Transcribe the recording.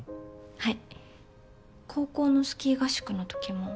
はい。